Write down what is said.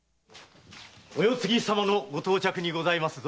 お世継ぎ様のご到着にございますぞ。